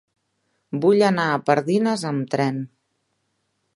Vull anar a Pardines amb tren.